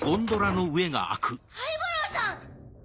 灰原さん！